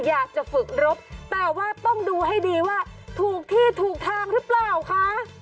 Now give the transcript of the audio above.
อยากจะฝึกรบแต่ว่าต้องดูให้ดีว่าถูกที่ถูกทางหรือเปล่าคะ